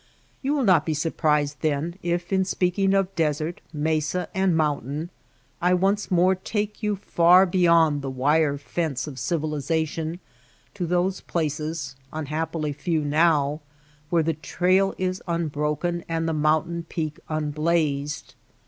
You will not be surprised then if, in speaking of desert, mesa and mountain I once more take you far beyond the wire fence of civilization to those places (unhappily few now) where the trail is unbroken and the mountain peak un blazed.